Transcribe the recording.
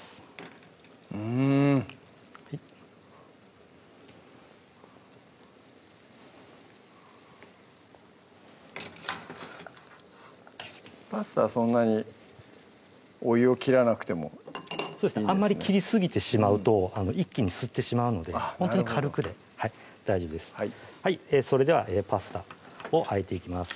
うんパスタはそんなにお湯を切らなくてもそうですねあんまり切りすぎてしまうと一気に吸ってしまうのでほんとに軽くで大丈夫ですそれではパスタをあえていきます